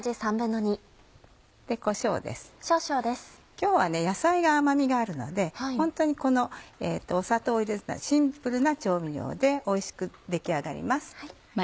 今日は野菜が甘味があるのでホントに砂糖を入れてないシンプルな調味料でおいしく出来上がります。